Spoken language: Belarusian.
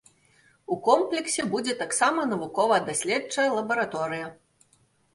У комплексе будзе таксама навукова-даследчая лабараторыя.